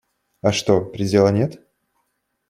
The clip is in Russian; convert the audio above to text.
А что, предела нет?